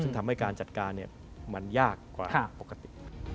ซึ่งทำให้การจัดการมันยากกว่าปกติ